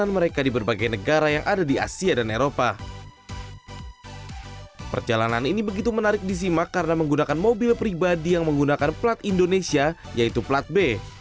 mereka menggunakan mobil pribadi yang menggunakan plat indonesia yaitu plat b